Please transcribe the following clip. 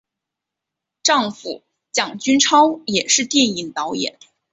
丈夫蒋君超也是电影导演。